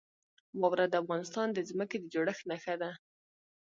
واوره د افغانستان د ځمکې د جوړښت نښه ده.